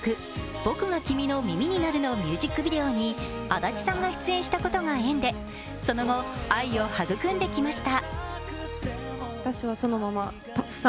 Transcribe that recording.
「僕が君の耳になる」のミュージックビデオに足立さんが出演したことが縁でその後、愛を育んできました。